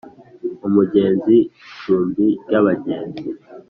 Umugenzi icumbi ry abagenzi